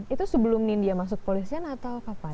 itu sebelum nindya masuk polisian atau kapan